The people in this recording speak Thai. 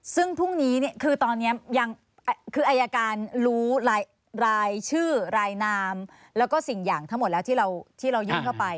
ซึ่งพรุ่งนี้คือตอนนี้ยังคืออายการรู้รายชื่อรายนามแล้วก็สิ่งอย่างทั้งหมดแล้วที่เรายื่นเข้าไป